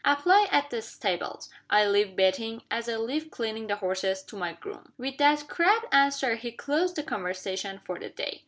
"Apply at the stables. I leave betting, as I leave cleaning the horses, to my groom." With that crabbed answer he closed the conversation for the day.